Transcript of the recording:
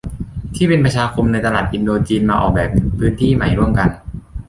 ที่เป็นประชาคมในตลาดอินโดจีนมาออกแบบพื้นที่ใหม่ร่วมกัน